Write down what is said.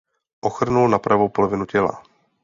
Ochrnul na pravou polovinu těla.